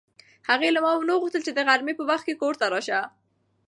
هغې له ما نه وغوښتل چې د غرمې په وخت کې کور ته راشه.